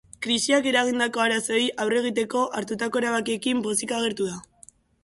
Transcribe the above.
Krisiak eragindako arazoei aurre egiteko hartutako erabakiekin pozik agertu da.